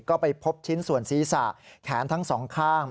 ก็ไปพบชิ้นส่วนศีรษะแขนทั้งสองข้าง